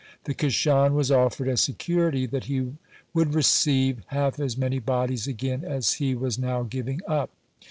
The Kishon was offered as security that he would received half as many bodies again as he was now giving up.